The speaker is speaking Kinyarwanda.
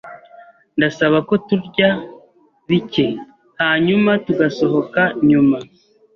Ndasaba ko turya bike, hanyuma tugasohoka nyuma.